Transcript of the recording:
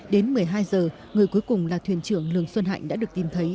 đến một mươi hai giờ người cuối cùng là thuyền trưởng lường xuân hạnh đã được tìm thấy